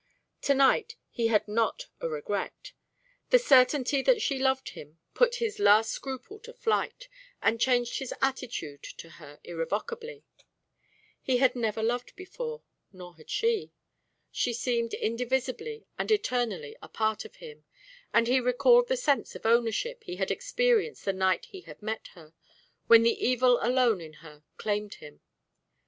To night he had not a regret. The certainty that she loved him put his last scruple to flight, and changed his attitude to her irrevocably. He had never loved before, nor had she. She seemed indivisibly and eternally a part of him, and he recalled the sense of ownership he had experienced the night he had met her, when the evil alone in her claimed him.